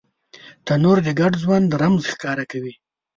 تنور د ګډ ژوند رمز ښکاره کوي